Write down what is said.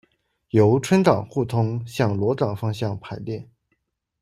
由春岗互通向萝岗方向排列